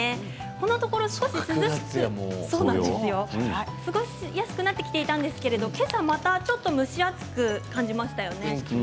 このところ過ごしやすくなってきたんですけど今朝また蒸し暑く感じましたよね。